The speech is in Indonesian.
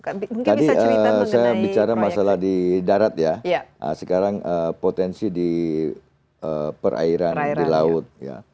tadi saya bicara masalah di darat ya sekarang potensi di perairan di laut